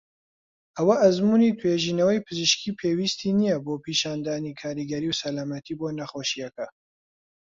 ئەوە ئەزموونی توێژینەوەی پزیشکی پێویستی نیە بۆ پیشاندانی کاریگەری و سەلامەتی بۆ نەخۆشیەکە.